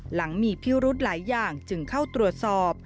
หลังมีพิรุธหลายอย่างจึงเข้าตรวจสอบ